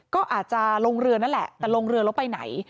ก็อาจจะลงเรือนั่นแหละแต่ลงเรือแล้วไปไหน